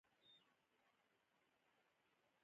مینه ستا کې موږ میشته یو.